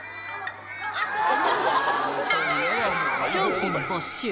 商品没収。